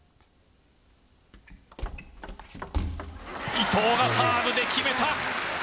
伊藤がサーブで決めた。